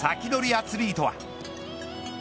アツリートは。